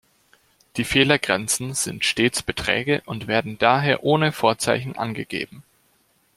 Die Fehlergrenzen sind stets Beträge und werden daher ohne Vorzeichen angegeben.